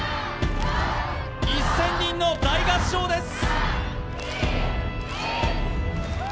１０００人の大合唱です！